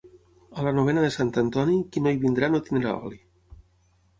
A la novena de Sant Antoni, qui no hi vindrà, no tindrà oli.